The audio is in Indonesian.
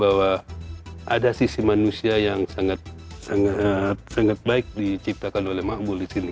bahwa ada sisi manusia yang sangat baik diciptakan oleh makbul di sini